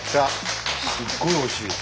すっごいおいしいです。